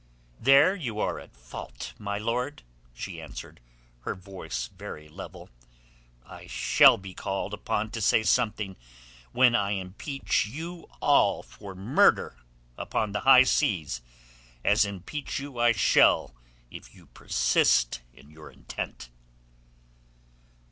"There you are at fault, my lord," she answered, her voice very level. "I shall be called upon to say something when I impeach you all for murder upon the high seas, as impeach you I shall if you persist in your intent."